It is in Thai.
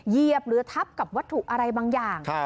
เหยียบหรือทับกับวัตถุอะไรบางอย่าง